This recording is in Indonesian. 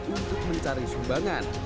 untuk mencari sumbangan